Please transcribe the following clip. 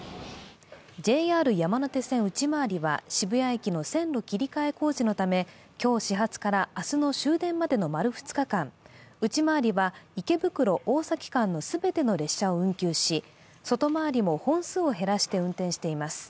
ＪＲ山手線内回りは渋谷駅の線路切り替え工事のため今日始発から明日の終電までの丸２日間、内回りは池袋−大崎間の全ての列車を運休し、外回りも本数を減らして運転しています。